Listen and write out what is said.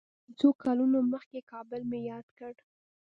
د څو کلونو مخکې کابل مې یاد کړ.